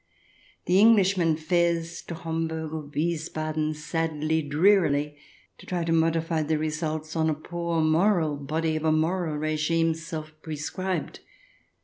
The Englishman fares to Homburg or Wiesbaden sadly, drearily, to try to modify the results on a poor moral body of a moral regime self prescribed.